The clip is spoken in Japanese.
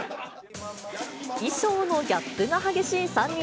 衣装のギャップが激しい３人。